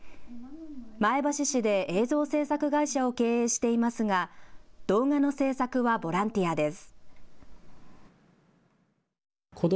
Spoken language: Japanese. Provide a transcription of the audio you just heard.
前橋市で映像制作会社を経営していますが動画の制作はボランティアです。